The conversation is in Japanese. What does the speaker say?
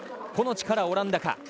個の力、オランダか。